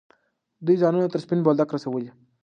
دوی ځانونه تر سپین بولدکه رسولي.